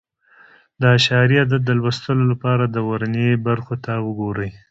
د اعشاري عدد د لوستلو لپاره د ورنيې برخو ته وګورئ.